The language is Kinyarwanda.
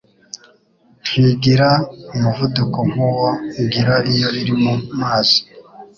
ntigira umuvuduko nk'uwo igira iyo iri mu mazi.